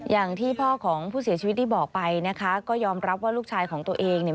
อย่างที่พ่อของผู้เสียชีวิตได้บอกไปนะคะก็ยอมรับว่าลูกชายของตัวเองเนี่ย